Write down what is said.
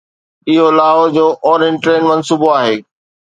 اهو لاهور جو orange train منصوبو آهي.